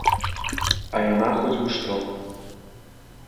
А яна хоць бы што!